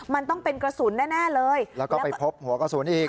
มันต้องเป็นกระสุนแน่แน่เลยแล้วก็ไปพบหัวกระสุนอีก